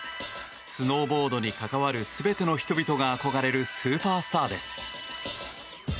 スノーボードに関わる全ての人々が憧れるスーパースターです。